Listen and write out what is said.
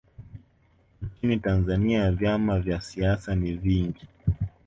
nchini tanzania vyama vya siasa ni vingi